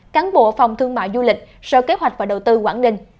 cán bộ phòng thương mại du lịch sở kế hoạch và đầu tư quảng ninh